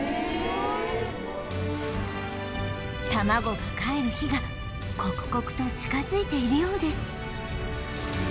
卵がかえる日が刻々と近づいているようです